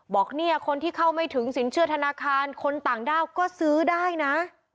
บอกเนี่ยคนที่เข้าไม่ถึงสินเชื่อธนาคารคนต่างด้าวก็ซื้อได้นะ